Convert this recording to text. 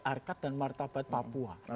arkat dan martabat papua